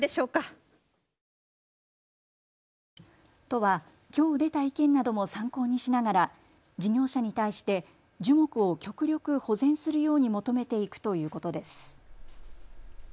都はきょう出た意見なども参考にしながら事業者に対して樹木を極力保全するように求めていくということです。